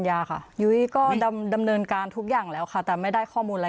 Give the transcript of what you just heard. ยาค่ะยุ้ยก็ดำเนินการทุกอย่างแล้วค่ะแต่ไม่ได้ข้อมูลอะไร